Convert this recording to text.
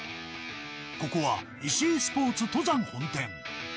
ここは石井スポーツ登山本店。